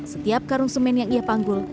setiap karung semen yang ia panggil